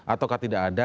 atau tidak ada